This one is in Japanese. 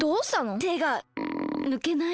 てがぬけない。